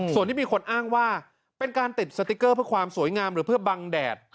ส่วนที่มีคนอ้างว่าเป็นการติดสติ๊กเกอร์เพื่อความสวยงามหรือเพื่อบังแดด